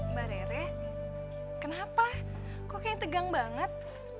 mbak rere kenapa kok kayaknya tegang banget